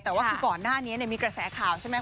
แต่ว่าคือก่อนหน้านี้มีกระแสข่าวใช่ไหม